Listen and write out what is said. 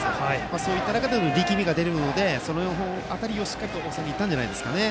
そういった中での力みが出るのでその辺りをしっかりと伝えに行ったんじゃないですかね。